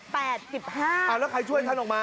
เอาแล้วใครช่วยท่านออกมา